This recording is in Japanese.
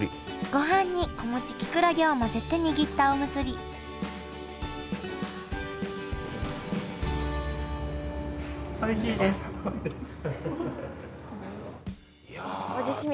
ごはんに子持ちきくらげを混ぜて握ったおむすびいや。とかに入ってます。